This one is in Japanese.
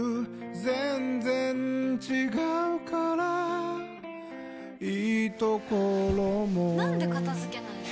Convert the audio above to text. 全然違うからいいところもなんで片付けないの？